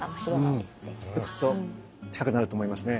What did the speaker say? きっときっと近くなると思いますね。